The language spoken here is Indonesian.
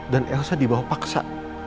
dan elsa dibawa paksa